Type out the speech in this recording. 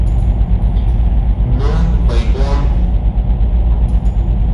Ну, пойдем.